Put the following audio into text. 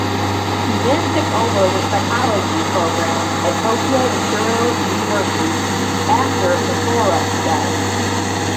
He then took over the psychology program at Tokyo Imperial University after Motora died.